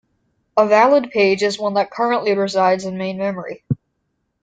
A valid page is one that currently resides in main memory.